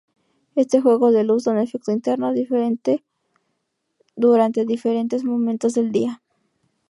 Este juego de luz da un efecto interno diferente durante diferentes momentos del día.